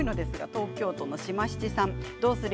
東京都の方です。